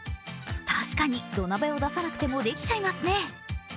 確かに、土鍋を出さなくてもできちゃいますね。